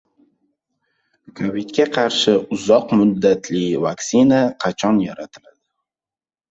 Kovidga qarshi "uzoq muddatli" vaksina qachon yaratiladi